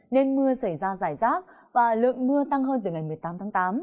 nên mưa xảy ra giải rác và lượng mưa tăng hơn từ ngày một mươi tám tháng tám